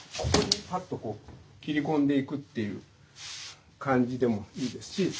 ここにパッとこう切り込んでいくという感じでもいいですし